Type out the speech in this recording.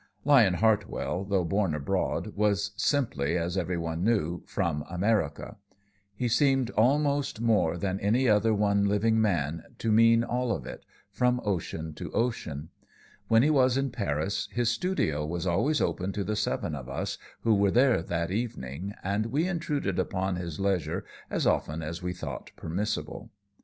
Lyon Hartwell, though born abroad, was simply, as every one knew, "from America." He seemed, almost more than any other one living man, to mean all of it from ocean to ocean. When he was in Paris, his studio was always open to the seven of us who were there that evening, and we intruded upon his leisure as often as we thought permissible.